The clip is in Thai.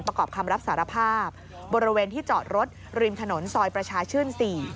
ประกอบคำรับสารภาพบริเวณที่จอดรถริมถนนซอยประชาชื่น๔